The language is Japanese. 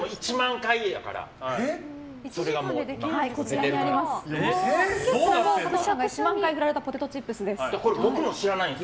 加藤さんが１万回振られたポテトチップスです。